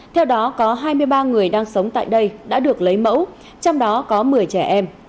theo đó có hai mươi ba người đang sống tại đây đã được lấy mẫu trong đó có một mươi trẻ em